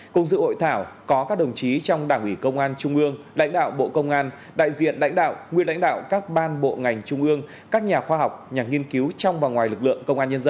cùng dự hội thảo có các đồng chí trong đảng ủy công an trung ương lãnh đạo bộ công an đại diện lãnh đạo nguyên lãnh đạo các ban bộ ngành trung ương các nhà khoa học nhà nghiên cứu trong và ngoài lực lượng công an nhân dân